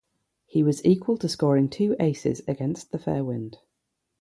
He was equal to scoring two aces against the fair wind.